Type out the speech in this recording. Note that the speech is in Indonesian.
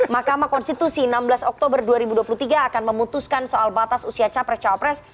mahkamah konstitusi enam belas oktober dua ribu dua puluh tiga akan memutuskan soal batas usia capres cawapres